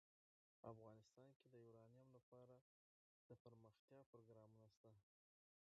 افغانستان کې د یورانیم لپاره دپرمختیا پروګرامونه شته.